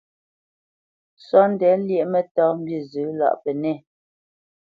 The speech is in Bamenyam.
Sóndɛ lyéʼ mǝ́tāmbîzǝ lâʼ pǝnɛ̂.